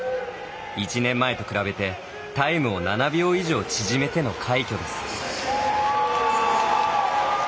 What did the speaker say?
１年前と比べてタイムを７秒以上縮めての快挙です。